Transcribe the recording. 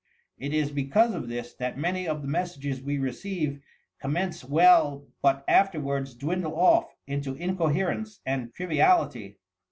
It is because of this that many of the messages we receive commence well but afterwards dwindle off into incoherence and triviality.